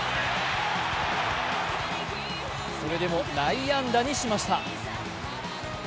それでも内野安打にしました。